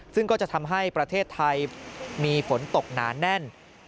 ซึ่งก็จะทำให้ประเทศไทยมีฝนตกหนาแน่น